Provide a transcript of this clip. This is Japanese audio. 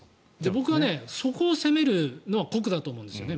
僕はそこを責めるのは酷だと思うんですよね。